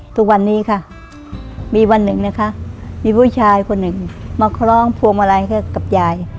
ทุกวันนี้ค่ะมีวันหนึ่งนะคะมีผู้ชายคนหนึ่งมาคล้องพวงมาลัยให้กับยาย